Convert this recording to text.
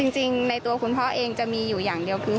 จริงในตัวคุณพ่อเองจะมีอยู่อย่างเดียวคือ